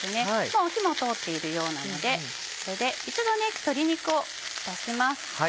もう火も通っているようなのでこれで一度鶏肉を出します。